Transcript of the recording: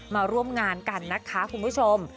มาร่วมงานกันนะคะคุณผู้ชม